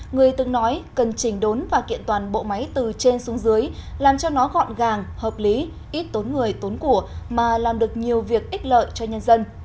người từng nói cần chỉnh đốn và kiện toàn bộ máy từ trên xuống dưới làm cho nó gọn gàng hợp lý ít tốn người tốn của mà làm được nhiều việc ít lợi cho nhân dân